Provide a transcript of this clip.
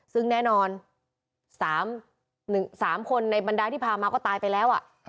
ซึ่งแน่นอน๓คนในบรรดายที่พามาก็ตายไปแล้ว